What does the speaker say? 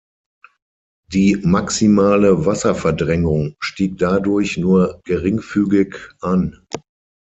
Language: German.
Die maximale Wasserverdrängung stieg dadurch nur geringfügig an.